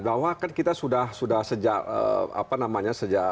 bahwa kita sudah sejak